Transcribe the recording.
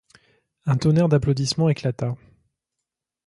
Un tonnerre d’applaudissements éclata.